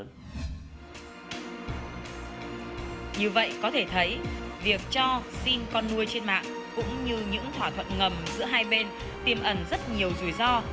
như vậy có thể thấy việc cho xin con nuôi trên mạng cũng như những thỏa thuận ngầm giữa hai bên tìm ẩn rất nhiều rủi ro